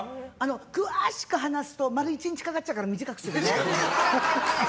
詳しく話すと丸１日かかっちゃうから短くするね。